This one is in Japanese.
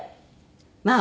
まあ。